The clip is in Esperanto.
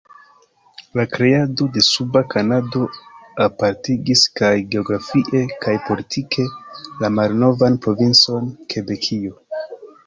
La kreado de Suba Kanado apartigis kaj geografie kaj politike la malnovan provincon Kebekio.